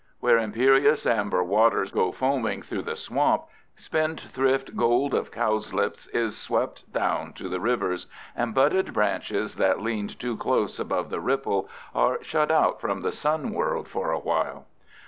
Where imperious amber waters go foaming through the swamp, spendthrift gold of cowslips is swept down to the rivers, and budded branches that leaned too close above the ripple are shut out from the sun world for a while.